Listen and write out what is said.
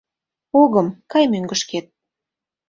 Огым, кай мӧҥгышкет!